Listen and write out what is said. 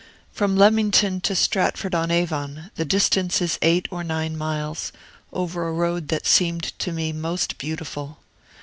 From Leamington to Stratford on Avon the distance is eight or nine miles, over a road that seemed to me most beautiful.